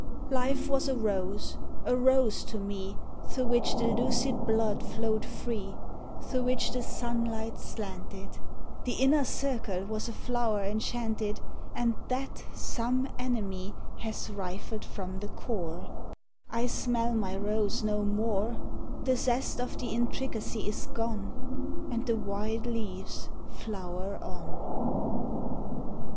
92 LIFE was a rose, a rose to me Through which the lucid blood flowed free, Through which the sunlight slanted : The inner circle was a flower enchanted, And that some enemy Has rifled from the core ; I smell my rose no more ; The zest of the intricacy is gone. And the wide leaves flower on.